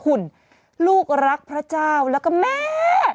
คุณลูกรักพระเจ้าแล้วก็แม่